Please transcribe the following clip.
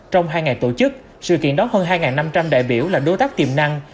trong hai ngày tổ chức sự kiện đón hơn hai năm trăm linh đại biểu là đối tác tiềm năng